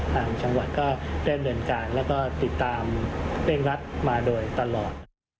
ทางจังหวัดก็แน่นด่วนการและก็ติดตามเบ้นรัฐมาโดยตลอด